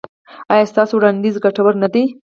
ایا ستاسو وړاندیز ګټور نه دی؟